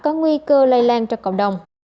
có nguy cơ lây lan cho cộng đồng